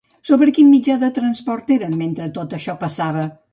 Sobre quin mitjà de transport eren, mentre tot això passava?